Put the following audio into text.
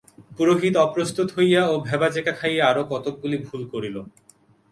পুরোহিত অপ্রস্তুত হইয়া ও ভেবাচেকা খাইয়া আরো কতকগুলি ভুল করিল।